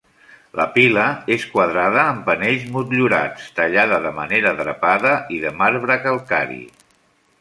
La pila és quadrada amb panells motllurats, tallada de manera drapada i de marbre calcari.